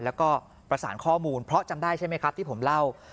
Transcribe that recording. แล้วก็ประสานข้อมูลเพราะจำได้ใช่ไหมครับที่ผมเล่า